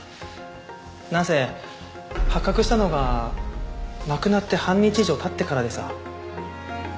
なんせ発覚したのが亡くなって半日以上経ってからでさ。